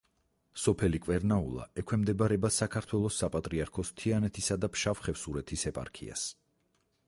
სოფელი კვერნაულა ექვემდებარება საქართველოს საპატრიარქოს თიანეთისა და ფშავ-ხევსურეთის ეპარქიას.